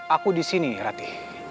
aku disini rati